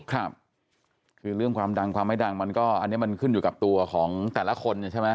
ครับคือเรื่องความดังความไม่ดังมันก็อันนี้มันขึ้นอยู่กับตัวของแต่ละคนเนี่ยใช่ไหม